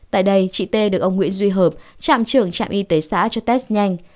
tại đây chị t được ông nguyễn duy hợp trạm trưởng trạm y tế xã cho test nhanh